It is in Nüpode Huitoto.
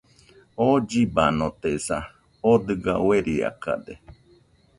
oo llibanotesa, oo dɨga ueriakade